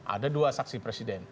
ada dua saksi presiden